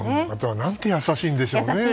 何て優しいんでしょうね。